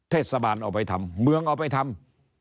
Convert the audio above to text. เทศบาลเอาไปทำเมืองเอาไปทำ